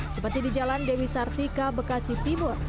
seperti di jalan dewi sartika bekasi timur